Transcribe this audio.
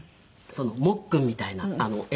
モックンみたいな映画の。